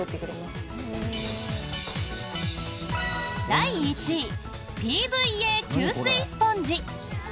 第１位ＰＶＡ吸水スポンジ。